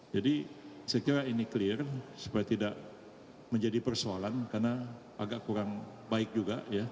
saya kira ini clear supaya tidak menjadi persoalan karena agak kurang baik juga ya